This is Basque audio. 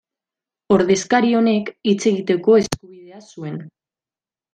Ordezkari honek, hitz egiteko eskubidea zuen.